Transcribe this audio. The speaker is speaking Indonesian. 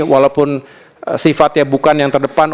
walaupun sifatnya bukan yang terdepan